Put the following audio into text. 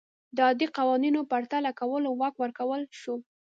د عادي قوانینو پرتله کولو واک ورکړل شو.